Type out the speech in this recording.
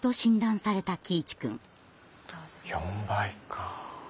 ４倍か。